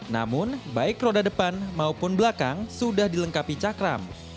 namun baik roda depan maupun belakang sudah dilengkapi cakram